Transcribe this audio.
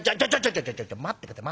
「ちょちょ待って下さい。